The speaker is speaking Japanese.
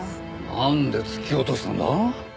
なんで突き落としたんだ？